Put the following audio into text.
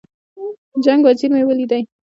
جنګ وزیر مې ولیدی.